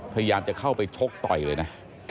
พยายามจะเข้าไปชกต่อยเลยนะ